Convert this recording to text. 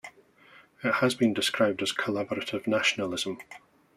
It has been described as "collaborative nationalism".